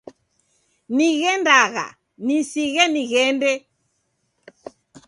Nighendagha nisighe nighende.